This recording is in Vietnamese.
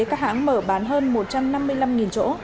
các hãng mở bán hơn một trăm năm mươi năm chỗ